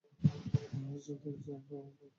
হরিশচন্দ্র জি, আপনার কাছে একটা অনুরোধ।